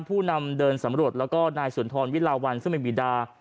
ผู้นำเดินสำรวจแล้วก็นายสุนทรวิลาวันซึ่งเป็นบีดา